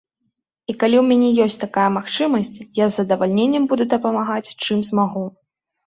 І калі ў мяне ёсць такая магчымасць, я з задавальненнем буду дапамагаць, чым змагу.